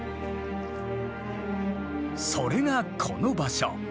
それがこの場所。